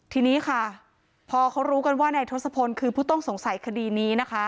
ทีนี้ค่ะพอเขารู้กันว่านายทศพลคือผู้ต้องสงสัยคดีนี้นะคะ